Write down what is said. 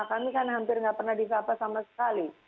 kami kan hampir nggak pernah disapa sama sekali